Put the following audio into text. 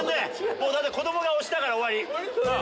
もうだって子どもが押したから終わり。